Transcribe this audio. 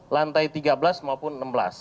lantai tiga belas maupun enam belas